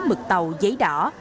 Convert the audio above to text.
mực tàu giấy đỏ